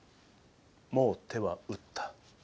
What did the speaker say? もう手は打った。